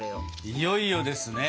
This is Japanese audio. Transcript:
いよいよですね！